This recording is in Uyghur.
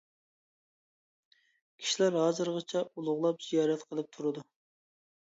كىشىلەر ھازىرغىچە ئۇلۇغلاپ زىيارەت قىلىپ تۇرىدۇ.